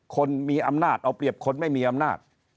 คนมีอำนาจเอาเปรียบคนไม่มีอำนาจ